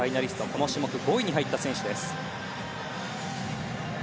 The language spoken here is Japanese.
この種目５位に入った選手です。